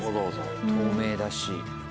透明だし。